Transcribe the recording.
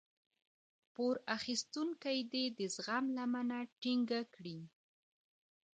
پور اخيستونکی دې د زغم لمنه ټينګه کړي.